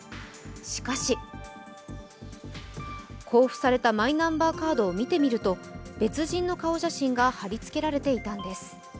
しかし、交付されたマイナンバーカードを見てみると、別人の顔写真が貼り付けられていたのです。